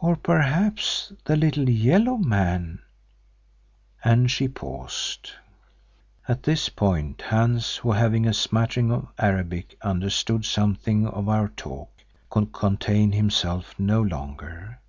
Or perhaps the little yellow man——" and she paused. At this point Hans, who having a smattering of Arabic understood something of our talk, could contain himself no longer.